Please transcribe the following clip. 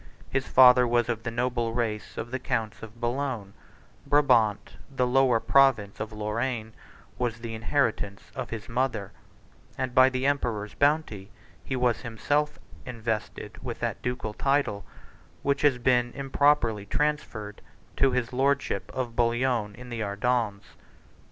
His father was of the noble race of the counts of Boulogne: Brabant, the lower province of Lorraine, 43 was the inheritance of his mother; and by the emperor's bounty he was himself invested with that ducal title, which has been improperly transferred to his lordship of Bouillon in the Ardennes.